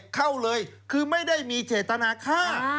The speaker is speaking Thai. เข้าเลยคือไม่ได้มีเจตนาฆ่า